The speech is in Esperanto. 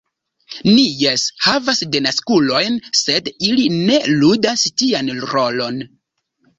Ni jes havas denaskulojn, sed ili ne ludas tian rolon.